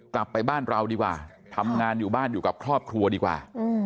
กลับไปบ้านเราดีกว่าทำงานอยู่บ้านอยู่กับครอบครัวดีกว่า